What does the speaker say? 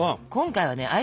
今回はね